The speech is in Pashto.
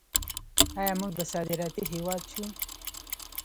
آیا موږ به صادراتي هیواد شو؟